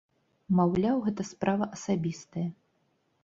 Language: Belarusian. Маўляў, гэта справа асабістая.